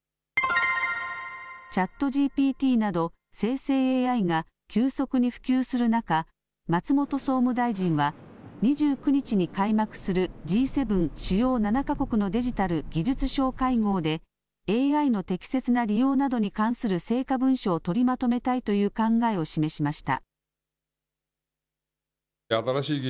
チャットＧＰＴなど生成ＡＩが急速に普及する中松本総務大臣は２９日に開幕するＧ７、主要７か国のデジタル・技術相会合でＡＩの適切な利用などに関する成果文書を取りまとめたいという考えを示しました。